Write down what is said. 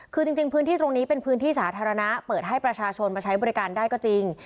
คือจริงพื้นที่ตรงนี้เป็นพื้นที่สาธารณะเปิดให้ประชาชนมาใช้บริการได้ก็จริง